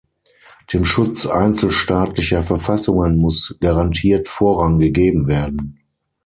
Dem Schutz einzelstaatlicher Verfassungen muss garantiert Vorrang gegeben werden.